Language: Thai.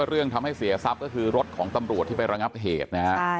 เรื่องทำให้เสียทรัพย์ก็คือรถแบ็คโฮล์ที่ไประงับเหตุ